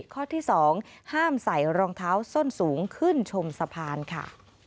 ข้อที่๒ห้ามใส่รองเท้าส้นสูงขึ้นชมสะพานค่ะ